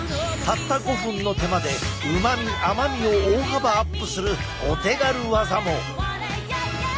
たった５分の手間でうまみ甘みを大幅アップするお手軽ワザも！